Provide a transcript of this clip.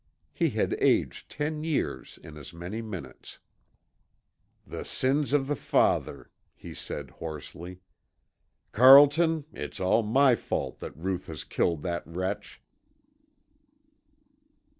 He had aged ten years in as many minutes. "The sins of the father," he said, hoarsely. "Carlton, it's all my fault that Ruth has killed that wretch!"